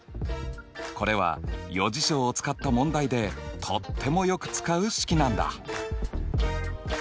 これは余事象を使った問題でとってもよく使う式なんだ！